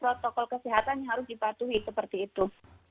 protokol kesehatan yang harus dipatuhi seperti itu